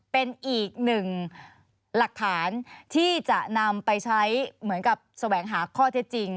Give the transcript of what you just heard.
เป็นอีกหนึ่งหลักฐานที่จะนำไปใช้เหมือนกับแสวงหาข้อเท็จจริง